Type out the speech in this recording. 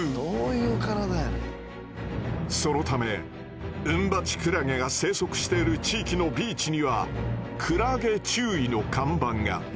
そのためウンバチクラゲが生息している地域のビーチにはクラゲ注意の看板が。